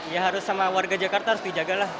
ya harus sama warga jakarta harus dijagalah